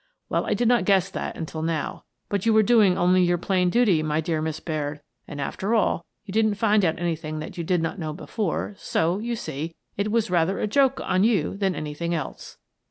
Well, I did not guess that until now. But you were doing only your plain duty, my dear Miss Baird, and, after all, you didn't find out anything that you did not know before, so, you see, it was rather a joke on you than anything else."